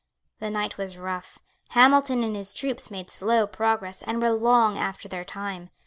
The night was rough. Hamilton and his troops made slow progress, and were long after their time.